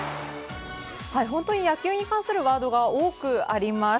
本当に野球に関するワードが多くあります。